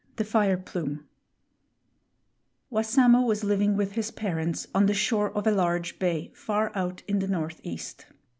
THE FIRE PLUME |WASSAMO was living with his parents on the shore of a large bay far out in the north east.